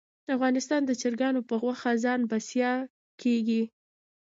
افغانستان د چرګانو په غوښه ځان بسیا کیږي